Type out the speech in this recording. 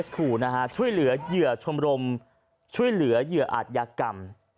ขู่นะฮะช่วยเหลือเหยื่อชมรมช่วยเหลือเหยื่ออาจยากรรม